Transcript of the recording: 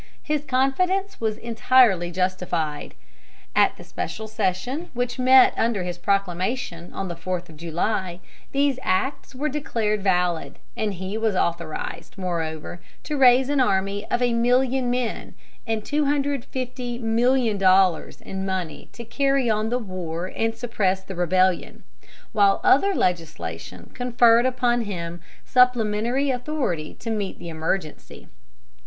His confidence was entirely justified. At the special session which met under his proclamation, on the fourth of July, these acts were declared valid, and he was authorized, moreover, to raise an army of a million men and $250,000,000 in money to carry on the war to suppress the rebellion; while other legislation conferred upon him supplementary authority to meet the emergency.